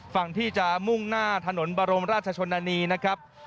ฝั่งที่จะมุ่งหน้าถนนบรมราชชนนานีนะครับ